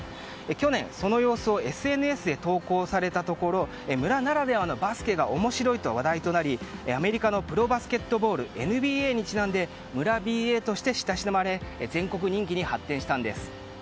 去年、その様子をＳＮＳに投稿されたところ村ならではのバスケが面白いと話題になりアメリカのプロバスケットボールＮＢＡにちなんで村ＢＡとして親しまれ全国人気に発展したんです。